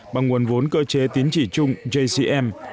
bằng nguồn vốn cơ chế tín chỉ chung jcm